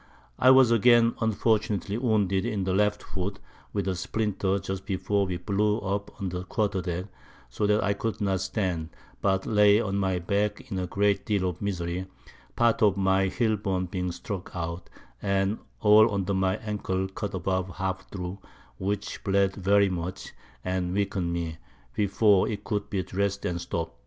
I was again unfortunately wounded in the Left Foot with a Splinter just before we blew up on the Quarter deck, so that I could not stand, but lay on my Back in a great deal of Misery, part of my Heel bone being struck out, and all under my Ankle cut above half thro', which bled very much, and weaken'd me, before it could be dressed and stopt.